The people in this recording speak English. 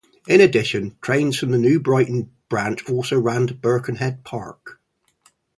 In addition trains from the New Brighton branch also ran to Birkenhead Park.